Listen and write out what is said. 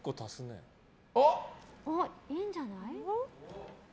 いいんじゃない？